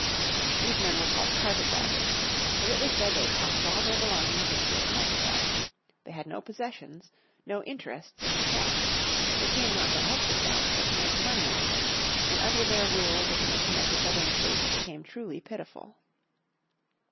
These men were called Carpet baggers. For it was said they packed all their belongings into a carpet bag. They had no possessions, no interests in the South. They came not to help the South, but to make money out of it, and under their rule, the condition of the Southern States became truly pitiful.